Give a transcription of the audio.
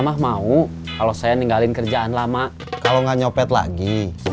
mah mau kalau saya ninggalin kerjaan lama kalau nggak nyopet lagi